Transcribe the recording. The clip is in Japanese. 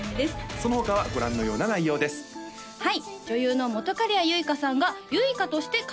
その他はご覧のような内容ですさあ